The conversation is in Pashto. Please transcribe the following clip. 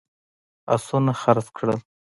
آسونه خرڅ کړل.